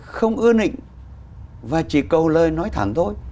không ưa nịnh và chỉ cầu lời nói thẳng thôi